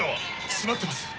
閉まってます。